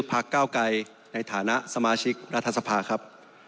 พักเก้าไกรในฐานะสมาชิกรัฐสภาครับ